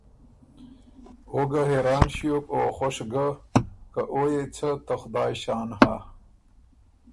او ګۀ حېران ݭیوک او خؤش ګۀ، که او يې څۀ ته خدایٛ شان هۀ